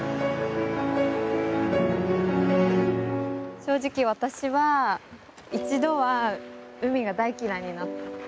正直私は一度は海が大嫌いになった。